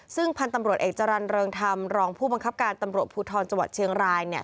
ซึ่งพันธุ์ตำรวจเอกจรรย์เริงธรรมรองผู้บังคับการตำรวจภูทรจังหวัดเชียงราย